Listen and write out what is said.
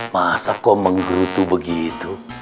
masa kok menggerutu begitu